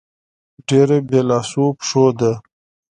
ډېره بې لاسو پښو ده.